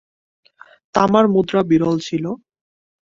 তামার মুদ্রা বিরল ছিল।